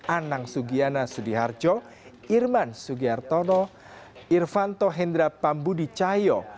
anang sugiana sudiharjo irman sugihartono irfanto hendra pambudicayo